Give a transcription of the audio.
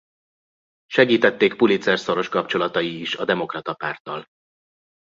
Segítették Pulitzer szoros kapcsolatai is a Demokrata Párttal.